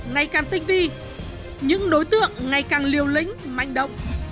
ngay càng tinh vi những đối tượng ngay càng liều lĩnh manh động